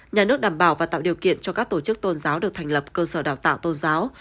nhà nước đảm bảo và tạo điều kiện cho các tổ chức tôn giáo được thành lập cơ sở đào tạo tôn giáo